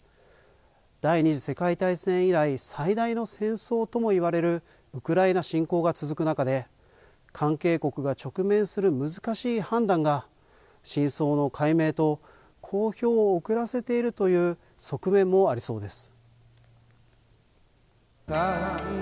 第２次世界大戦以来、最大の戦争ともいわれるウクライナ侵攻が続く中で、関係国が直面する難しい判断が、真相の解明と公表を遅らせているという側面もありそうです。